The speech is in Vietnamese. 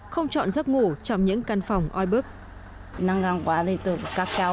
không chọn giấc ngủ trong những căn phòng oi bức